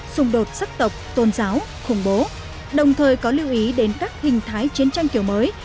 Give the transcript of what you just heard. xung đột sắc tộc tôn giáo khủng bố đồng thời có lưu ý đến các hình thái chiến tranh kiểu mới